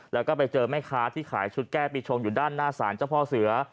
แล้วก็ไปเจอแม่ค้าที่ขายชุดแก้ปีชงอยู่ด้านหน้าศาลเจ้าพ่อเสือ